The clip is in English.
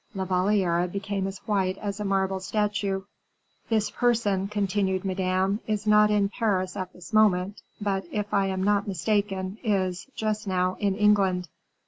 La Valliere became as white as a marble statue. "This person," continued Madame, "is not in Paris at this moment; but, if I am not mistaken, is, just now, in England."